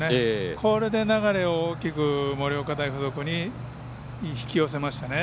これで流れを大きく盛岡大付属に引き寄せましたね。